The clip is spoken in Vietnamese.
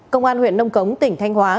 công an huyện nông cống tỉnh thanh hóa